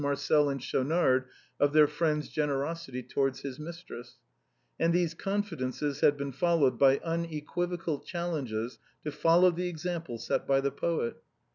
Marcel and Schaunard of their friend's generosity towards his mis tress, and these confidences had been followed by unequi vocal challenges to follow the example set by the poet.